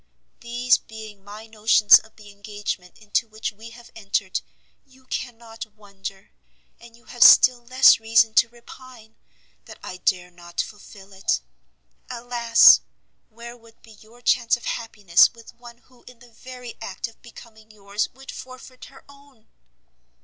These being my notions of the engagement into which we have entered, you cannot wonder, and you have still less reason to repine, that I dare not fulfil it. Alas! where would be your chance of happiness with one who in the very act of becoming yours would forfeit her own!